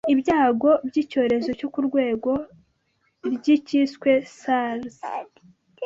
Ibyago by'icyorezo cyo ku rwego ry'icyiswe Sars